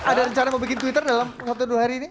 ada rencana mau bikin twitter dalam waktu dua hari ini